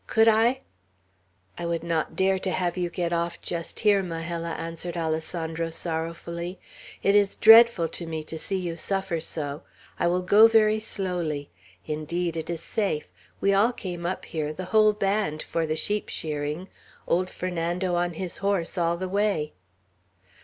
Could I?" "I would not dare to have you get off, just here, Majella," answered Alessandro, sorrowfully. "It is dreadful to me to see you suffer so; I will go very slowly. Indeed, it is safe; we all came up here, the whole band, for the sheep shearing, old Fernando on his horse all the way."